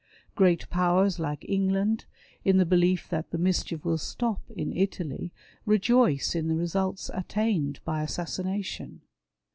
Great powers like England, in the belief that the mischief will stop in Italy, rejoice in the results attained by assassination.